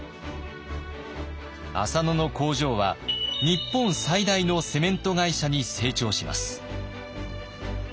浅野の工場は日本最大のセメント会社に成長します。